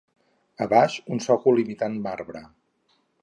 A baix, un sòcol imitant marbre